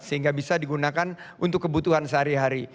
sehingga bisa digunakan untuk kebutuhan sehari hari